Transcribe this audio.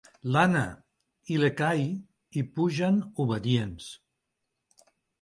L'Anna i l'Ekahi hi pugen, obedients.